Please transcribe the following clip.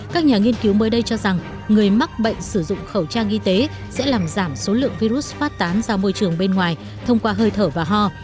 các nhà nghiên cứu mới đây cho rằng người mắc bệnh sử dụng khẩu trang y tế sẽ làm giảm số lượng virus phát tán ra môi trường bên ngoài thông qua hơi thở và ho